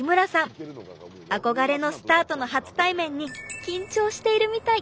憧れのスターとの初対面に緊張しているみたい。